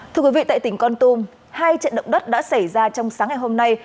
thưa quý vị tại tỉnh con tum hai trận động đất đã xảy ra trong sáng ngày hôm nay